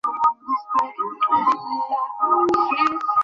আমার কাছে সেরকম ক্ষমতা নেই।